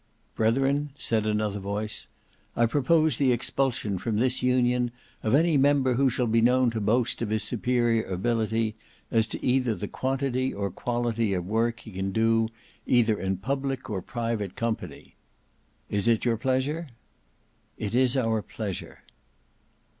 "Brethren," said another voice, "I propose the expulsion from this Union, of any member who shall be known to boast of his superior ability, as to either the quantity or quality of work he can do, either in public or private company. Is it your pleasure?" "It is our pleasure."